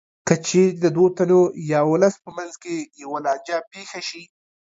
که چېرې د دوو تنو یا ولس په منځ کې یوه لانجه پېښه شي